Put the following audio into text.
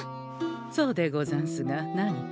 そうでござんすが何か？